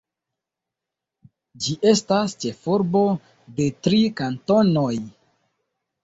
Ĝi estas ĉefurbo de tri kantonoj.